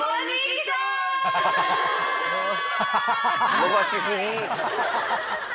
伸ばしすぎ！